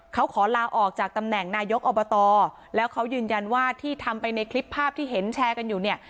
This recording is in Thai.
เขาขอลาออกจากตำแหน่งนายกอบตแล้วเขายืนยันว่าที่ทำไปในคลิปภาพที่เห็นแชร์กันอยู่เนี่ย